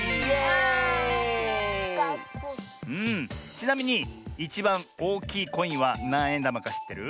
ちなみにいちばんおおきいコインはなんえんだまかしってる？